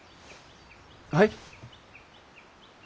はい？